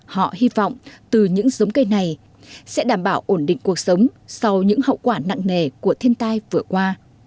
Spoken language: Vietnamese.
họ hy vọng từ những giống cây này sẽ đảm bảo ổn định cuộc sống sau những hậu quả nặng nề của thiên tai vừa qua